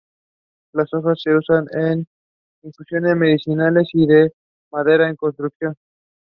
Representatives absent were Democrat Alcee Hastings and Republicans Maria Elvira Salazar and David Valadao.